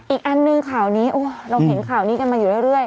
อีกอันหนึ่งข่าวนี้เราเห็นข่าวนี้กันมาอยู่เรื่อย